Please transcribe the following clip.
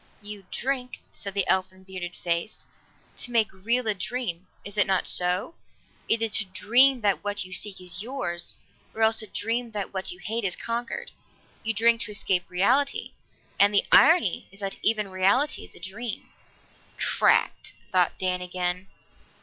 "You drink," said the elfin, bearded face, "to make real a dream. Is it not so? Either to dream that what you seek is yours, or else to dream that what you hate is conquered. You drink to escape reality, and the irony is that even reality is a dream." "Cracked!" thought Dan again.